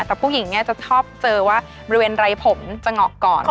แต่ผู้หญิงเนี่ยจะชอบเจอว่าบริเวณไรผมจะเหงาะก่อน